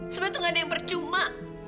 sebenarnya tuh gaada yang percuma